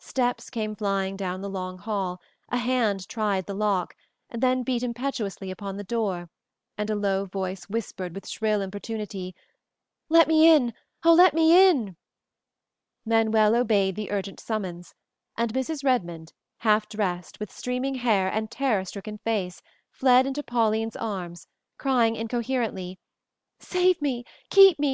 Steps came flying down the long hall, a hand tried the lock, then beat impetuously upon the door, and a low voice whispered with shrill importunity, "Let me in! Oh, let me in!" Manuel obeyed the urgent summons, and Mrs. Redmond, half dressed, with streaming hair and terror stricken face, fled into Pauline's arms, crying incoherently, "Save me! Keep me!